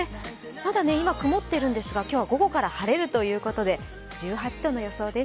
まだ今、曇っているんですが、今日は午後から晴れるということで１８度の予想です。